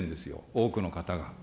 多くの方が。